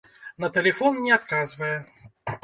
На тэлефон не адказвае.